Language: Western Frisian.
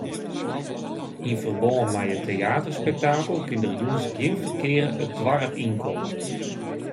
Yn ferbân mei it teaterspektakel kin der jûns gjin ferkear it doarp yn komme.